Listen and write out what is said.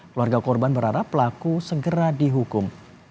keluarga korban berharap pelaku segera dihukum